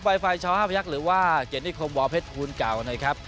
ไวไฟช้าห้าพระยักษ์หรือว่าเกณฑิคมวอร์เพชรคูณเก่านะครับ